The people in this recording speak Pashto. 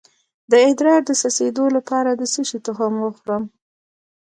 د ادرار د څڅیدو لپاره د څه شي تخم وخورم؟